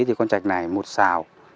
thì con trạch này một sào